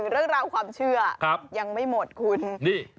เรื่องราวความเชื่อยังไม่หมดคุณนี่